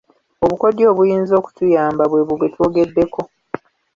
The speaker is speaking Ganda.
Obukodyo obuyinza okutuyamba bwe bwo bwe twogeddeko.